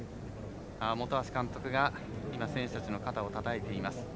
本橋監督が今、選手たちの肩をたたいています。